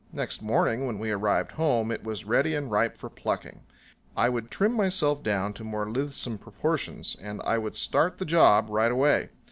Next morning when we arrived home it was ready and ripe for plucking. I would trim myself down to more lithesome proportions and I would start the job right away.